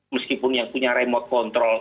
meskipun yang punya remote control